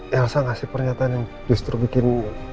elsa ngasih pernyataan yang justru bikin